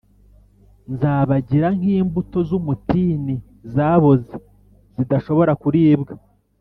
Nzabagira nk’ imbuto z’umutini zaboze zidashobora kuribwa